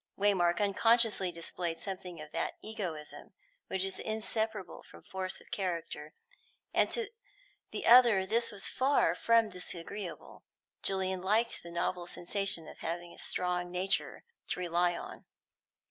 Waymark unconsciously displayed something of that egoism which is inseparable from force of character, and to the other this was far from disagreeable; Julian liked the novel sensation of having a strong nature to rely upon.